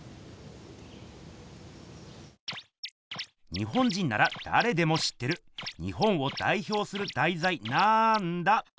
日本人ならだれでも知ってる日本をだいひょうするだいざいなんだ？